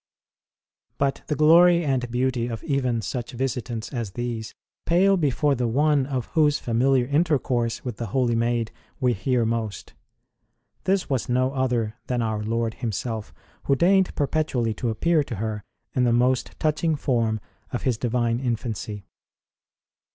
But the glory and beauty of even such visitants as these pale before the One of Whose familiar intercourse with the holy maid we hear most. This was no other than our Lord Himself, Who deigned perpetually to appear to her in the most touching form of His Divine infancy.